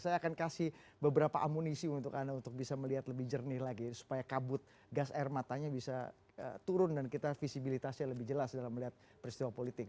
saya akan kasih beberapa amunisi untuk anda untuk bisa melihat lebih jernih lagi supaya kabut gas air matanya bisa turun dan kita visibilitasnya lebih jelas dalam melihat peristiwa politik